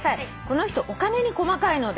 この人お金に細かいのです」